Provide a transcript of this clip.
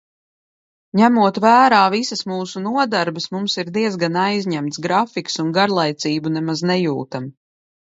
Ņemot vērā visas mūsu nodarbes, mums ir diezgan aizņemts grafiks un garlaicību nemaz nejūtam.